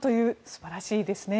素晴らしいですね。